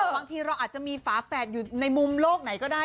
บางทีเราอาจจะมีฝาแฝดอยู่ในมุมโลกไหนก็ได้